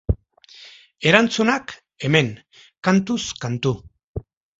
Erantzunak, hemen, kantuz kantu.